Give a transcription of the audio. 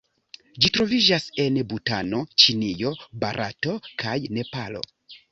Ĝi troviĝas en Butano, Ĉinio, Barato kaj Nepalo.